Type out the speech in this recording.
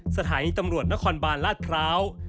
สถานีตำรวจนครบาลลาดพร้าว